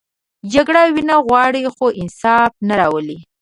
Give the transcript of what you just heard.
جګړه وینه غواړي، خو انصاف نه راولي